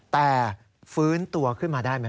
แต่ฟื้นตัวขึ้นมาได้ไหม